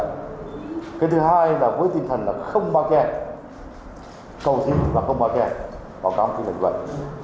coi kẹt cầu diễn và không coi kẹt bảo cáo kỹ liên quan